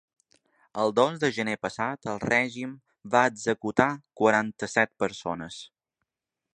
El dos de gener passat el règim va executar quaranta-set persones.